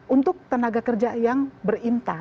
untuk tenaga kerja yang berintah